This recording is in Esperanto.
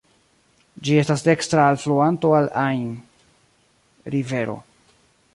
Ĝi estas dekstra alfluanto al Ain (rivero).